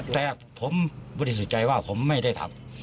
แต่ผมบริสุจัยว่าผมไม่ได้ทำ